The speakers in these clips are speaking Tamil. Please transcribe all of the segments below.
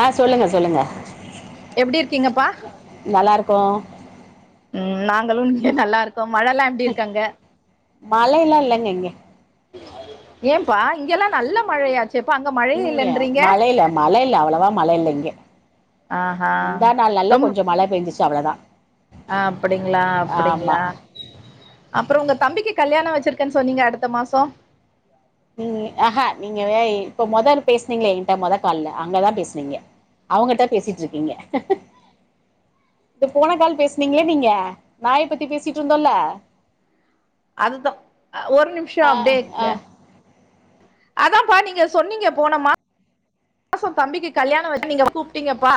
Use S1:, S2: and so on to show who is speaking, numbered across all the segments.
S1: ஆ சொல்லுங்க சொல்லுங்க
S2: எப்டி இருக்கீங்கப்பா
S1: நல்லாருக்கோ
S2: ம் நாங்களும் இங்க நல்லாருக்கோம் மழல்லாம் எப்டி இருக்கு அங்க
S1: மழைல்லாம் இல்லங்க இங்க
S2: ஏன்பா இங்கல்லாம் நல்ல மழையாச் சேப்பா அங்க மழ
S1: பூனே மழ இல்ல மழ இல்ல அவ்ளோவா மழ இல்ல இங்க
S2: ஆஹா
S1: முந்தா நாள் நல்ல கொஞ்சம் மழ பேஞ்ச்சுச்சு அவ்ளோ தான்
S2: அ அப்டிங்களா அப்டிங்களா அப்பறோ உங்க தம்பிக்கு கல்யாணம் வச்சிருக்கேன்னு சொன்னீங்க அடுத்த மாசோ
S1: ம் ஆஹா நீங்க இப்ப மொதல் பேசனீங்கலே என்ட்ட மொத கால்ல அங்கதான் பேசுனீங்க அவங்கிட்ட பேசிட்டுருக்கீங்க இப்ப போன கால் பேசுனீங்கள நீங்க நாய பத்தி பேசிட்டுருந்தோல
S2: அதுதா ஒரு நிமிஷோ
S1: ஆ
S2: அப்டே
S1: ஆ
S2: இருங்க அதான்ப்பா நீங்க சொன்னீங்க போன மா மாசம் தம்பிக்கு கல்யாணம் வச்சு நீங்க கூப்பிட்டீங்கப்பா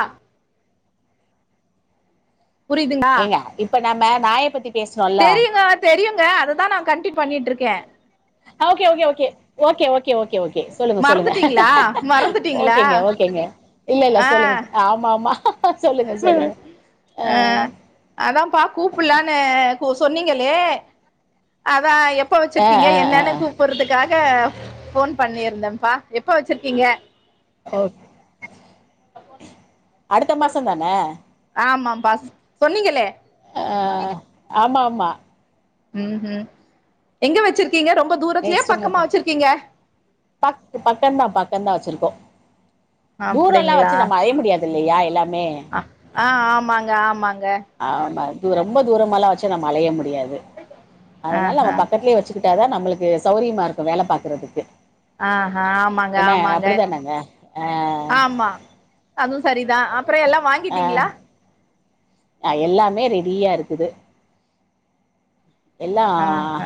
S2: புரியுதுங்களா
S1: ஏங்க இப்ப நம்ம நாய பத்தி பேசனோம்ல
S2: தெரியுங்க தெரியுங்க அததான் நான் கண்டி பண்ணிட்ருக்கேன்
S1: okay okay okay okay okay okay okay சொல்லுங்க சொல்லுங்க
S2: மறந்துட்டீங்களா மறந்துட்டீங்களா
S1: ஓகேங்க ஓகேங்க இல்ல இல்ல
S2: ஆ
S1: சொல்லுங்க ஆ மாமா சொல்லுங்க
S2: ம்
S1: சொல்லுங்க ஆ
S2: அதான்ப்பா கூப்புலான்னு கூ சொன்னீங்களே அதான் எப் எப்ப
S1: ஆ
S2: வச்சிருக்கீங்க
S1: ஆ
S2: என்னன்னு
S1: ஆ
S2: கூப்பறதுக்காக போன் பண்ணியிருந்தேன்ப்பா எப்ப வச்சிருக்கீங்க
S1: ஓ அடுத்த மாசம் தான
S2: ஆமா பா சொன்னீங்களே
S1: ஆ ஆமாம்மா
S2: ம்ஹூம் எங்க வச்சிருக்கீங்க ரொம்ப தூரத்துலயா
S1: நெக்ஸ்ட் மந்த்
S2: பக்கமா வச்சிருக்கீங்க
S1: பக் பக்கம்தான் பக்கம்தான் வச்சிருக்கோம் தூரம்ல்லாம்
S2: அப்டிங்களா
S1: வச்சு நம்ம அலைய முடியாது இல்லையா எல்லாமே
S2: ஆ ஆ ஆமாங்க ஆமாங்க
S1: ஆமா அது ரொம்ப தூரமால்லா வச்சு நம்ம அலைய முடியாது அதனால
S2: ஆஹா
S1: நம்ம பக்கத்துலயே வச்சுக்கிட் ட்டா தா நம்மளுக்கு சௌரியமா இருக்கு வேல பாக்கறதுக்கு
S2: ஆஹ ஆமாங்க ஆமாங்க
S1: அப்படிதானங்க ஆ
S2: ஆமா அதும் சரிதா அப்றோ எல்லா வாங்கிட்டீங்களா
S1: அ எல்லாமே ரெடியா இருக்குது எல்லா
S2: ஆஹா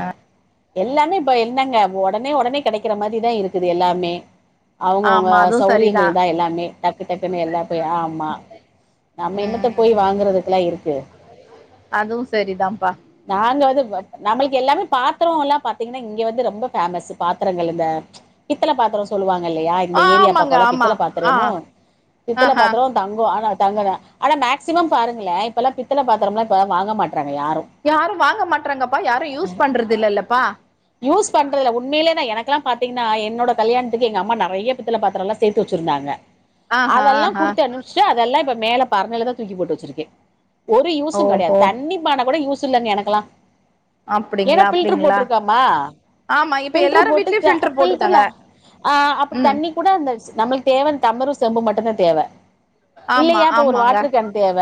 S1: எல்லாமே இப்ப என்னங்க உடனே உடனே கெடைக்கிற மாரிதா இருக்குது எல்லாமே அவங்கவுங்க
S2: ஆமா அதுவு சரிதா
S1: சௌரியங்கள் தா எல்லாமே டக்கு டக்குன்னு எல்லா போய் ஆ மா நம்ம என்னத்த போய்
S2: ம்
S1: வாங்குறதுக்கெல்லா இருக்கு
S2: அதுவு சரிதாம்ப்பா
S1: நாங்க து நம்மளுக்கு எல்லாமே பாத்திரோ எல்லா பாத்தீங்கன்னா இங்க வந்து ரொம்ப பேமஸ் பாத்திரங்கள் இந்த பித்தள பாத்ரோ சொல்லுவாங்க இல்லயா இந்த ஏரியா
S2: ஆமாங்க
S1: பக்கலா
S2: ஆமா
S1: பித்தள
S2: ஆ
S1: பாத்துரமு பித்தள
S2: ஆஹா
S1: பாத்ரோ தங்கோ ஆனா தங்க தா மேக்சிமம் பாருங்களே இப்பல்லா பித்தள பாத்திரோ மெல்லா இப்ப வாங்க மாட்றாங்க யாரும்
S2: யாரு வாங்க மாட்டறாங்கப்பா யாரு யூஸ் பண்றது இல்லல்லப்பா
S1: யூஸ் பண்றதில்ல உண்மைய்லே எனக்கலா பாத்தீங்கன்னா என்னோட கல்யணத்துக்கு எங்க அம்மா நெறைய பித்தள பாத்திரலா சேத்து வச்சுருந்தாங்க
S2: ஆஹா
S1: அதெல்லா
S2: ஆஹா
S1: குடுத்து அனுப்பிச்சுட்டு அதெல்லா இப்ப மேல பரணிலதா தூக்கி போட்டு வச்சுருக்கே ஒரு யூஸ்சு கெடையாது
S2: ஓஹோ
S1: தண்ணி பான கூட யூஸ் இல்லங்க எனக்கல்லா
S2: அப்டிங்கிளா அப்டிங்கிளா
S1: கமா ஃபில்டர் போட்டு
S2: வீட்லயு
S1: த
S2: ஃபில்டர்
S1: ஃபில்டர்ல
S2: போட்ருக்காங்க
S1: ஆ அப்ப
S2: ம்
S1: தண்ணி கூட அந்த ஸ் நம்மளு தேவ அந்த டம்பளரு செம்பு மட்டுந்தா தேவ
S2: ஆமா
S1: இல்லீயா அப்ப ஒரு
S2: ஆமாங்க
S1: வாட்டருக்கேன் தேவ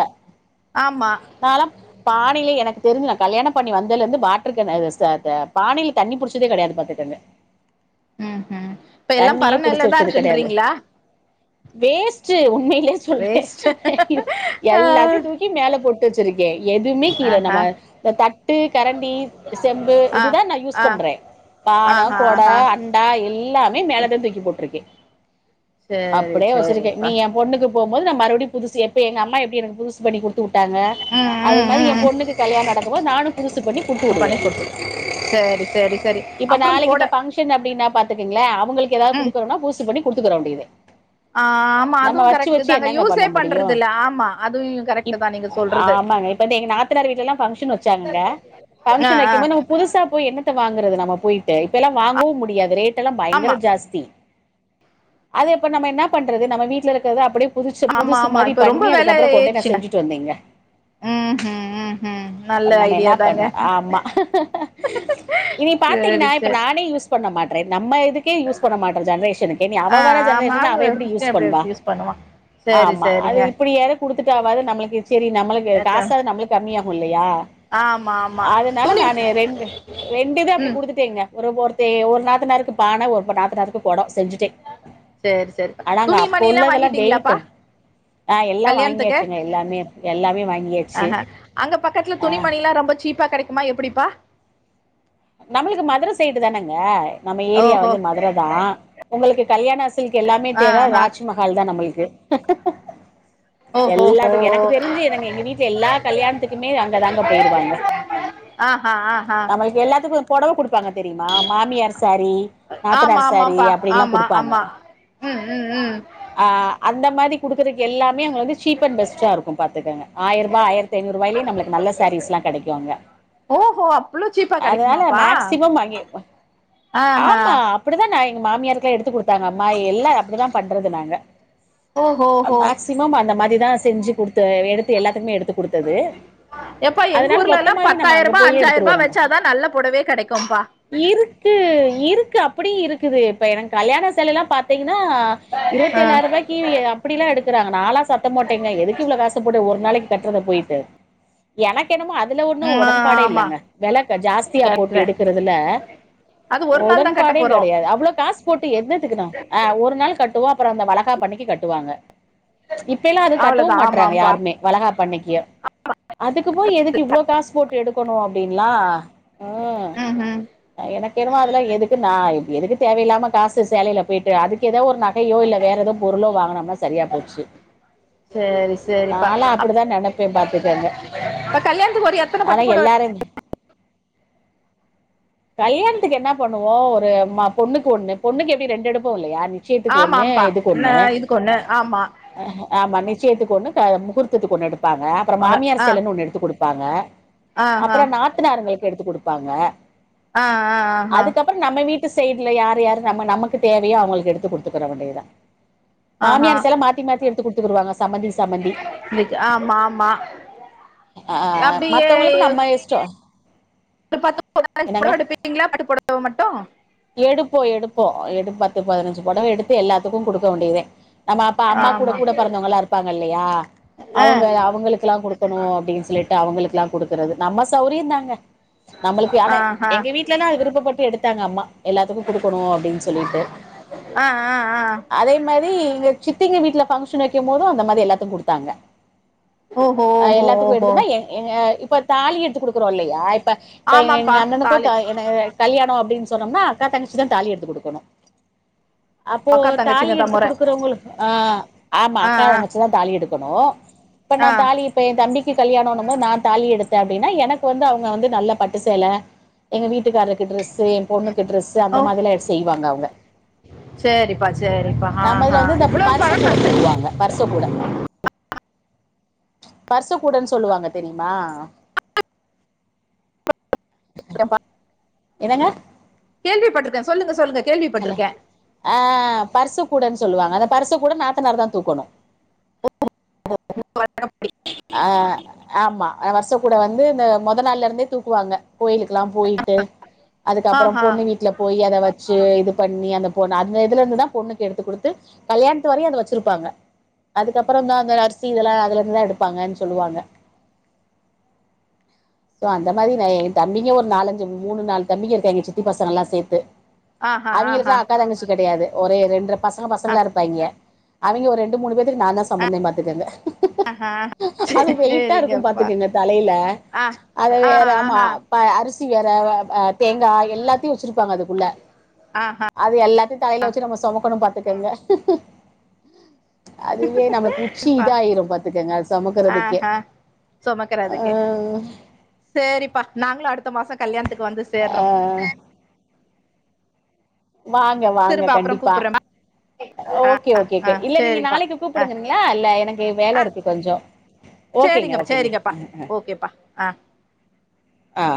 S2: ஆமா
S1: நா லா பானைலே எனக்கு தெரிஞ்சு நா கல்யாணோ பண்ணி வந்ததுலேருந்து வாட்டர் கேன் ச த பானைல தண்ணி புடிச்சதே கிடையாது பாத்துகங்க
S2: ம் ம் இப்ப எல்லா பரண் மேல
S1: புடிச்சு
S2: தா
S1: வச்சது கெடையாது
S2: இருக்குன்றீங்கிளா
S1: வேஸ்ட்டு உண்மைலே சொல்றே
S2: வேஸ்ட் ஆ
S1: எல்லாத்தயு தூக் கி மேல போட்டு வச்சுருக்கே எதுமே கீழ
S2: ஆஹா
S1: நம்ம தட்டு கரண்டி செம்பு
S2: ஆ
S1: இதுதா நா யூஸ்
S2: ஆ
S1: பண்றே பான
S2: ஆஹா
S1: கொட
S2: ஆஹா
S1: அண் டா எல்லாமே மேலதா தூக்கி போட்டிருக்கே
S2: சேரி
S1: அப்டியே வச்சிருக்கே
S2: சேரிப்பா
S1: இனி எம் பொண்ணுக்கு போம்போது நா மறுபடியு புதுசு எப்டி எங்க அம்மா எப்டி எனக் புதுசு பண்ணி குடுத்து உட்டாங்க
S2: ம்
S1: அதே
S2: ம்
S1: மாரி
S2: ம்
S1: எம்
S2: ம்
S1: பொண்ணுக்கு கல்யாணோ நடக்கும் போது நானு புதுசு பண்ணி குடுத்து
S2: இது
S1: உடுவே
S2: பண்ணி குடுத்து சேரி சேரி சேரி
S1: இப்ப
S2: அப்புறம்
S1: நாளைக்கு இந்த
S2: போட
S1: பங்க்ஷன் அப்டின்னா பாத்துக்கங்ளே அவங்களுக் ஏதாது
S2: ம்
S1: குடுக்குறம்னா புதுசு பண்ணி குடுத்துக்ற வேண்டியது
S2: ஆ ஆமா
S1: நம்ம
S2: அதுவு
S1: வச்சு
S2: கரெக்ட்டு
S1: வச்சு
S2: தாங்க
S1: என்னங்க
S2: யூஸே
S1: பண்ண முடியு
S2: பண்றது இல்ல ஆமா அதுவு கரெக்ட்டு
S1: இப்
S2: தா நீங்க சொல்றது
S1: ஆமாங்க இப்ப வந்து எங்க நாத்துனார் வீட்லல்லா ஃபங்ஷன் வச்சாங்கங்க
S2: ஆ
S1: ஃபங்ஷன்
S2: ஆ
S1: வைக்கு போது நம் புதுசா போய் என்னத்த வாங்குறது நம்ம போயிட்டு இப்பல்லா வாங்கவு முடியாது ரேட் டலா பயங்கர
S2: ஆமா
S1: ஜாஸ்தி அது இப்ப நம்ம என்ன பண்றது நம்ம வீட்ல இருக்கறத அப்டியே புதுசு
S2: ஆமா
S1: புதுசு
S2: ஆமா
S1: மாரி
S2: இப்ப ரொம்ப
S1: பண்ணி
S2: வெல
S1: அதுக்கப்றோ கொண்டே நா
S2: ஏறிடுச்சுங்க
S1: செஞ்சுட்டு வந்தேங்க
S2: ம் ம் ம் ம் நல்ல
S1: அப்றோ நாம
S2: ஐடியா
S1: என்னா
S2: தாங்க
S1: பண்ண ஆமா இனி
S2: சேரி
S1: பாத்தீங்கன்னா இப்ப
S2: சேரி
S1: நானே யூஸ் பண்ண மாட்றே நம்ம எதுக் கே யூஸ் பண்ண மாட்றே ஜென்ரேஷன்னுகே இனி
S2: ஆ
S1: அவ வர
S2: ஆமா
S1: ஜென்ரேஷன்ல அவ எப்டி யூஸ்
S2: கிருஷ்ண
S1: பண்ணுவா
S2: அப்டி யூஸ் பண்ணுவா சேரி
S1: ஆமா அது
S2: சேரிங்க
S1: இப்டியேது குடுத்துட்டா வாது நம்மளுக் செரி நம்மளுக்
S2: க
S1: காசாது நம்மளுக்கு கம்மிய ஆகு இல்லியா
S2: ஆமா ஆமா துணி
S1: ரெண்டு ரெண்டிதா அப்டி
S2: ம்
S1: குடுத் துடேங்க ஒரு ஒருத்தே ஒரு நாத்துனாருக்கு பான ஒரு நாத்துனாருக்கு கொடோ செஞ்சுட்டே
S2: சேரி சேரி
S1: ஆனா இந்த
S2: துணி
S1: அப்ப
S2: மணிலா
S1: உள்ள தெல்லா வெயிட்டு
S2: வாங்கிட்டீங்களாப்பா
S1: ஆ எல்லா
S2: கல்யாணத்துக்கு
S1: வாங்கியாச்சுங்க எல்லாமே எல்லாமே வாங்கியாச்சு
S2: ஆஹ அங்க பக்கத்துல
S1: ஆ
S2: துணி மணிலா ரொம்ப சீப்பா கெடைக்குமா எப்டிப்பா
S1: நம்மளுக்கு மதுர சைய்டு தானங்க நம்ம ஏரியா
S2: ஓஹோ
S1: வந்து மதுர தா உங்களுக்கு கல்யாண சில்க் எல்லாமே
S2: ஆ
S1: தேவ
S2: ஆ
S1: ராஜ்மஹால் தா நம்மளுக்கு
S2: ஓஹோஹோ
S1: எல்லாத்துக்கு எனக்கு தெரிஞ்சு எனக் எங்க வீட்ல எல்லா கல்யாணத்துக்குமே அங்கதாங்க போயிருவாங்க
S2: ஆ ஹா ஆ ஹா
S1: நம்மளுக் எல்லாத்துக்கு பொடவ குடுப்பாங்க தெரியுமா மாமியார் சாரீ
S2: ஆமா
S1: நாத்தனார் சாரீ
S2: ஆமாப்பா
S1: அப்டின்லா
S2: ஆமா
S1: குடுப்பாங்க
S2: ஆமா ம் ம் ம்
S1: ஆ அந்த மாரி குடுக்குறக்கு எல்லாமே அங்க வந்து சீப் அண்ட் பெஸ்டா இருக்கு பாத்துக்கோங்க ஆயிர ரூவா ஆயிரத்து ஐநூறு ரூவாயிலேயே நம்மளுக்கு நல்ல சாரீஸ்லா கெடைக்கு அங்க
S2: ஓஹோ அப்பளு சீப்பா
S1: அதனால
S2: கெடைக்குமாப்பா
S1: மேக்சிமம் அங்கே
S2: ஆ ஹ
S1: ஆமா அப்டிதா நா எங்க மாமியாருக்கல்லா எடுத்து குடுத்தே எங்க அம்மா ய் எல்லா அப்டி தா பண்றது நாங்க
S2: ஓ ஹோ ஹோ
S1: மேக்சிமம் அந்த மாரிதா செஞ்சி குடுத்த எடுத்து எல்லாத்துக்குமே எடுத்து குடுத்தது
S2: எப்பா எங்க
S1: அதனால
S2: ஊர்ல ல்லா
S1: மொத்தமாவே நம்ம
S2: பத்தாயிர
S1: அங்க
S2: ரூபா
S1: போயே
S2: அஞ்சாயிர ரூபா
S1: எடுத்துருவோ நம்ம.
S2: வச்சாதா நல்ல பொடவையே கெடைக்குபா
S1: இருக்கு இருக்கு அப்டியு இருக்குது இப்ப எனக்கு கல்யாண சேல ல்லா பாத்தீங்கன்னா இருவத்தி
S2: ஆ
S1: ஏழாயிர ரூபாயிக்கி அப்டில்லா எடு க்குறாங்க நா சத்த போட்டேங்க எதுக்கு இவ்ளோ காசு போட்டு ஒரு நாளைக்கு கட்டுற போயிட்டு எனக் எனக்கு என்னமோ அதுல ஒன்னு
S2: ம் ஆ
S1: ஒடன்பாடே
S2: ஆமா
S1: இல்லங்க வெல க ஜாஸ்தியா போட்டு
S2: கட்றே
S1: எடுக்கறதுல
S2: அது ஒரு நாள் தா கட்ட
S1: ஒடன்பாடே
S2: போறோ
S1: கெடையாது அவ்ளோ காசு போட்டு எனத்துக்கணா அ ஒரு நாள் கட்டுவோ அப்றோ அந்த வளகாப்பு அன்னைக்கி கட்டுவாங்க இப்பெல்லா அது கட்டவு
S2: அவ்ளோதா
S1: மாட்டறாங்க
S2: ஆமாம்பா
S1: யாருமே வளைகாப்பு அன்னைக்கி அதுக்கு போய் எதுக்கு இவ்ளோ காசு போட்டு எடுக்கணு அப்டின்லா
S2: ம் ம்
S1: எனக்கு என்னமோ அதெல்லா எதுக்கு நா எதுக்கு தேவையில்லாம காசு சேலைல போயிட்டு அதுக்கு எதோ ஒரு ந கையோ இல்ல வேற எதோ பொருளோ வாங்கினம்னா சரியா போச்சு
S2: சேரி சேரிப்பா
S1: நாலா அப்டிதா நெனப்பே பாத்துக்கேங்க
S2: இப்ப கல்யாணத்துக்கு ஒரு எத்தன பட்டுப்புடவ
S1: கல்யாணத்துக்கு என்ன பண்ணுவோ ஒரு ம பொண்ணுக்கு ஒண்ணு பொண்ணுக்கு எப்டி ரெண்டு எடுப்போ இல்லையா நீ
S2: ஆமாம்பா ஆமா
S1: அ ஆமா நிச்சியத்துக்கு ஒண்ணு ஹ முகூர்த்தத்துக்கு ஒன்னு எடுப்பாங்க அப்பறோ
S2: வாங்க
S1: மாமியார்
S2: ஆ
S1: செலன்னு ஒன்னு எடுத்து குடுப்பாங்க
S2: ஆஹா
S1: அப்பறோ நாத் த்தினார்களுக்கு எடுத்து குடுப்பாங்க
S2: ஆ ஆ ஆ ஹ
S1: அப்பறோ நம்ம வீட்டு சைடுல யார் யார் நம்ம நமக்கு தேவையோ அவுங்களுக்கு எடுத்து குடுத்துக்குற வேண்டியதுதா
S2: ஆஹா
S1: மாமியார் சேல மாத்தி மாத்தி எடுத்து குடுத்துக்குருவாங்க சம்மந்தி சம்மந்தி
S2: இன்னைக்கு ஆமா ஆமா
S1: ஆ
S2: அப்டியே
S1: மற்றவங்களுக்கு நம்ம எஸ் ச்சே
S2: ஒரு பத்து பொடவ அஞ்சு பொடவை எடுப்பீங்களா பட்டு பொடவ மட்டு
S1: எடுப்போ எடுப்போ எடு பத்து பதினஞ்சு பொடவ எடுத்து எல்லாத்துக்கு குடுக்க வேண்டியதுதே நம்ம அப் ப்பா அம்மா கூட
S2: ஆமா
S1: கூட பெறந்தவங்களா இருப்பாங்க இல்லயா
S2: ஆ
S1: அவுங்க அவுங்களுக்குல்லா குடு க்கணு அப்டின்னு சொல்லிட்டு அவுங்களுக்குல்லா குடுக்கறது நம்ம சௌரியம் தாங்க நம்மளுக்கு
S2: ஆஹா
S1: எங்க வீட் வீட்ல தா விருப்பபட்டு எடுத்தாங்க அம்மா எல்லாத்துக்கு குடுக்கணு அப்டின்னு சொல்லிட்டு
S2: ஆ ஆ ஆ
S1: அதே மாரி இக் சித்திங்க வீட்டுல பங்ஷன் வைக்கும் போதும் அந்த மாரி எல்லாத்க்கு குடுத்தாங்க
S2: ஓஹோ
S1: அ
S2: ஓஹோ
S1: எல்லாத்துக்கு
S2: ஓஹோ
S1: எடுத்துன்னா ஏ ஏங்க இப்ப தாலி எடுத்து குடுக்குறோ இல்லையா இப்ப இப்ப
S2: ஆமாப்பா
S1: எங்க அண்ணனுக்கு
S2: தாலி
S1: த என்ன கல்யாணம் அப்டின்னு சொன்னோம்னா அக்கா தங்கச்சி தா தாலி எடுத்துக் குடுக்கணு அப்போ
S2: அக்கா
S1: தாலி
S2: தங்கச்சிங்கதா
S1: எடுத்து
S2: மொற
S1: குடுக்குற வுங்குள் ஆ ஆமா
S2: ஆ
S1: அக்கா
S2: ஆ
S1: தங்கச்சி தா தாலி எடுக்கணு இப்ப நா
S2: ஆ
S1: தாலி இப்ப ஏ தம்பிக்கு கல்யாணம்னோம் போது நா தாலி எடுத்தே அப்டின்னா எனக்கு வந்து அவுங்க வந்து நல்ல பட்டு சேல எங்க வீட்டுக்காரருக்கு டிரெஸ்ஸு ஏ பொண்ணுக்கு டிரெஸ்ஸு அந்த மாதிரி எல்லா எடுத் செய்வாங்க அவுங்க
S2: செரிப்பா செரிப்பா ஆ ஆ இவ்ளோ
S1: பர்ச கூட தூக்குவா
S2: பழக்கம்ப்பா
S1: ங்க பர்ஸ் கூட பர்ஸ் கூடன்னு சொல்லுவாங்க தெரியுமா
S2: அப்றம்பா
S1: என்னங்க
S2: கேள்விப்பட்ருக்கே சொல்லுங்க சொல்லுங்க
S1: ஹலோ
S2: கேள்விப்பட்ருகே
S1: ஆ பர்ஸ கூடன்னு சொல்லுவாங்க அந்த பர்ச கூட நாத்தனார் தா தூக்கணு
S2: [inaudible]
S1: ஆ ஆமா வர்ஷ கூட வந்து இந்த மொத நாள்லருந்தே தூக்குவாங்க கோயிலுக்கெல்லா போயி ட்டு அதுக்கப்றோ
S2: ஆஹா
S1: பொண்ணு வீட்ல போயி அத வச்சு இது பண்ணி அந்த பொண்ணு அந்த இதுல இருந்து தா பொண்ணுக் எடுத்து குடுத்து கல்யாணத்து வரையு அத வச்சிருப்பாங்க அதுக்கப்றோ தா அந்த அரிசி இதெல்லா அதுல இருந்துதா எடுப் பாங்கன்னு சொல்லுவாங்க சோ அந்த மாரி நா ஏ தம்பிங்க ஒரு நாலஞ்சு என்‌ மூணு நாலு தம்பிங்க இருக்காய்ங்க சித்தி பசங்கல்லா சேத்து
S2: ஆஹா ஆஹா
S1: அவைங்களுக்கெல்லா அக்கா தங்கச்சி கெடையாது ஒரே ரெண்டர பசங்க
S2: ஆ
S1: பசங்களா இருப்பாய்ங்க அவைங்க ஒரு ரெண்டு மூணு பேத்துக்கு நா தா சொமந்தே பாத்துக்கோங்க
S2: ஆ ஹா
S1: அது வெயிட்டாருக்கு பாத்துக்கங்க தலைல
S2: ஆ
S1: அத
S2: ஆ
S1: வேற ஆமா
S2: ஆஹா
S1: ப்ப அரிசி வேற தேங்கா எல்லாத்தையு வச்சிருப்பாங்க அதுக்குள்ள
S2: ஆ ஹா
S1: அது எல்லாத்தையு தலைல வச்சு நம்ம சொமக்கணு பாத்துக்கங்க அதுவே நம்ளுக்கு உச்சி இதாயிரு பாத்துக்கங்க சொமக்குறதுக்கே
S2: ஆஹா
S1: அ
S2: சுமக்கறதுக்கு சேரிப்பா நாங்களு அடுத்த மாசோ கல்யாணத்துக்கு வந்து சேர்றோ
S1: அ வாங்க வாங்க
S2: திரும்ப அப்புறோ
S1: கண்டிப்பா
S2: கூப்புட்றேம்மா ஆ
S1: ஓகே
S2: ஆ
S1: ஓகே கே
S2: ஆ
S1: இல்ல நீங்க
S2: சேரிப்பா
S1: நாளைக்கு
S2: ஆ
S1: கூப்பிடுங்கங்ளா இல்ல எனக்கு வேல
S2: ஆ
S1: இருக்கு கொஞ்சோ ஓகேங்க
S2: சேரிங்கப்பா
S1: ஓகேங்க
S2: சேரிங்கப்பா ஓகேப்பா ஆ
S1: அ அ ஆ